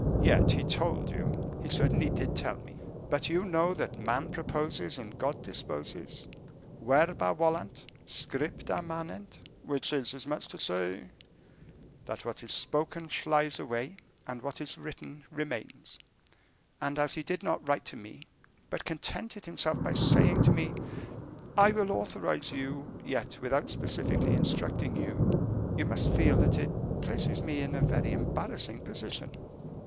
"Yet he told you " "He certainly did tell me; but you know that man proposes and God disposes, verba volant, scripta manent." "Which is as much to say " "That what is spoken flies away, and what is written remains; and, as he did not write to me, but contented himself by saying to me, 'I will authorize you, yet without specifically instructing you,' you must feel that it places me in a very embarrassing position."